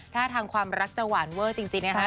ถ้าทางความรักจะหวานเวอร์จริงนะคะ